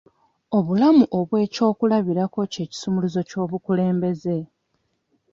Obulamu obw'ekyokulabirako kye kisumuluzo ky'obukulembeze.